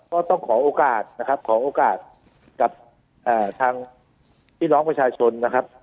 ก็ต้องขอโอกาสนะครับขอโอกาสกับทางพี่น้องประชาชนนะครับ